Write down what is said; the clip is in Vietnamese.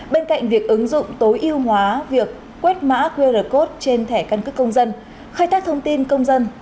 bên cạnh việc ứng dụng tối ưu hóa việc quét mã qr code trên thẻ căn cước công dân khai thác thông tin công dân